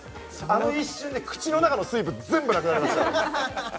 あの一瞬で口の中の水分全部なくなりましたよ